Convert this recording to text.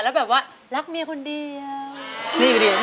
แล้วแบบว่ารักเมียคนเดียว